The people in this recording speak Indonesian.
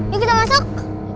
yuk kita masuk